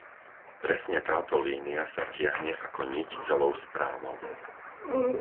Presne táto línia sa tiahne ako niť celou správou.